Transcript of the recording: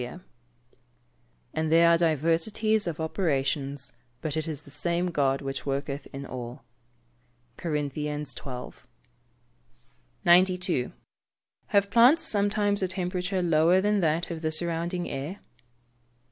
[Verse: "And there are diversities of operations, but it is the same God which worketh in all." CORINTHIANS XII.] 92. _Have plants sometimes a temperature lower than that of the surrounding air?